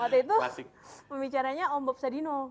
waktu itu pembicaranya om bob sadino